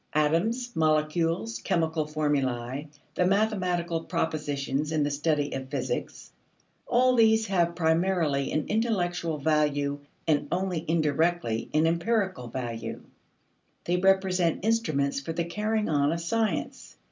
Atoms, molecules, chemical formulae, the mathematical propositions in the study of physics all these have primarily an intellectual value and only indirectly an empirical value. They represent instruments for the carrying on of science.